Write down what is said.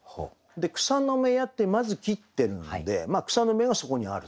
で「草の芽や」ってまず切ってるんで草の芽がそこにある。